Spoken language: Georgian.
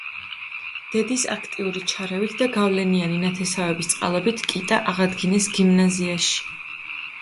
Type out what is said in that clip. დედის აქტიური ჩარევით და გავლენიანი ნათესავების წყალობით კიტა აღადგინეს გიმნაზიაში.